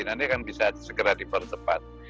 nanti akan bisa segera dipercepat